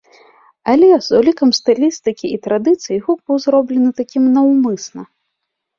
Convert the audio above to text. Але, з улікам стылістыкі і традыцый, гук быў зроблены такім наўмысна.